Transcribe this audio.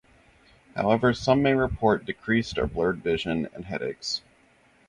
However, some may report decreased or blurred vision, and headaches.